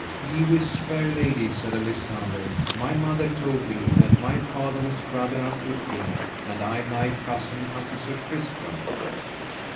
Y wis, fair lady, said Alisander, my mother told me that my father was brother unto a king, and I nigh cousin unto Sir Tristram.